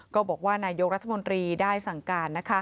ก็บอกว่านายกรัฐมนตรีได้สั่งการ